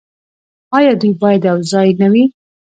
آیا دوی باید یوځای نه وي؟